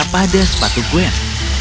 mereka pada sepatu gwen